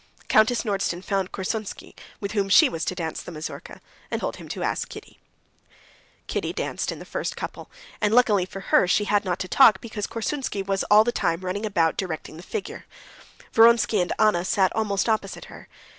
Countess Nordston found Korsunsky, with whom she was to dance the mazurka, and told him to ask Kitty. Kitty danced in the first couple, and luckily for her she had not to talk, because Korsunsky was all the time running about directing the figure. Vronsky and Anna sat almost opposite her.